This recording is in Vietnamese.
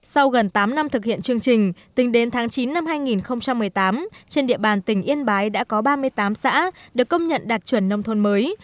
sau gần tám năm thực hiện chương trình tính đến tháng chín năm hai nghìn một mươi tám trên địa bàn tỉnh yên bái đã có ba mươi tám xã được công nhận đạt chuẩn nông thôn mới